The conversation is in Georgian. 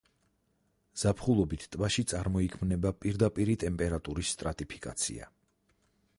ზაფხულობით ტბაში წარმოიქმნება პირდაპირი ტემპერატურის სტრატიფიკაცია.